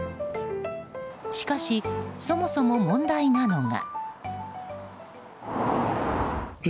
しかし、そもそも問題なのが。